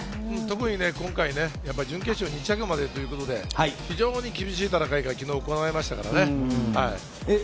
特に今回、準決勝２着までということで、非常に厳しい戦いが昨日行われました。